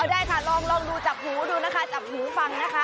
ได้ค่ะลองดูจับหูดูนะคะจับหูฟังนะคะ